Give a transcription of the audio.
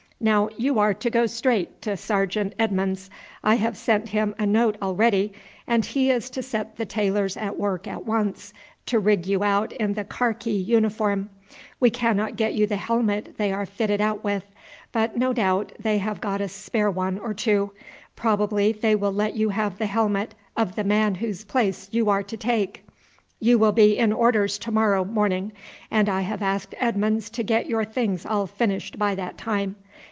Now you are to go straight to Sergeant Edmonds. I have sent him a note already, and he is to set the tailors at work at once to rig you out in the karkee uniform. We cannot get you the helmet they are fitted out with. But no doubt they have got a spare one or two; probably they will let you have the helmet of the man whose place you are to take. You will be in orders to morrow morning, and I have asked Edmonds to get your things all finished by that time.